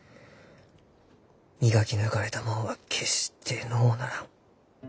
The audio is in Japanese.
磨き抜かれたもんは決してのうならん。